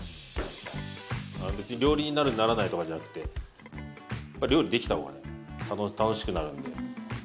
別に料理人になるならないとかじゃなくて料理できた方が楽しくなるんで。